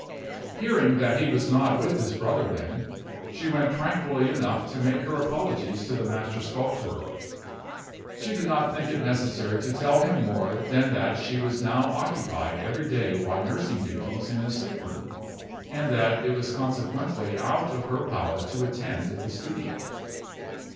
Hearing that he was not with his brother then, she went tranquilly enough to make her apologies to the master sculptor. She did not think it necessary to tell him more than that she was now occupied every day by nursing duties in a sick room, and that it was consequently out of her power to attend at the studio.